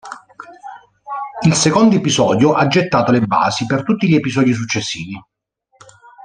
Il secondo episodio ha gettato le basi per tutti gli episodi successivi.